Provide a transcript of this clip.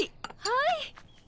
はい。